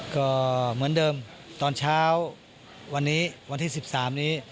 ก็เหมือนเดิมตอนเช้าวันนี้วันที่๑๓นี้